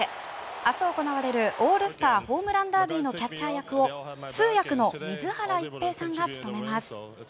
明日行われるオールスターホームランダービーのキャッチャー役を通訳の水原一平さんが務めます。